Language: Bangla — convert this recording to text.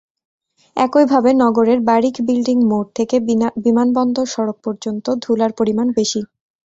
একইভাবে নগরের বারিক বিল্ডিং মোড় থেকে বিমানবন্দর সড়ক পর্যন্ত ধুলার পরিমাণ বেশি।